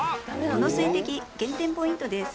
この水滴減点ポイントです。